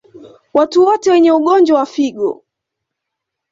Watu wote wenye ugonjwa wa figo